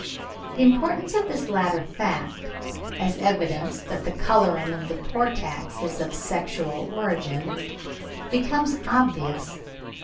The importance of this latter fact, as evidence that the colouring of the Portax is of sexual origin, becomes obvious, when we hear (24.